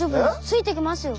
ついてきますよ！